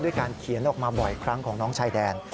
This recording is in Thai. การเขียนออกมาบ่อยครั้งของน้องชายแดน